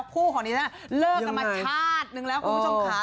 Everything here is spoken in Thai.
คู่ของดิฉันเลิกกันมาชาตินึงแล้วคุณผู้ชมค่ะ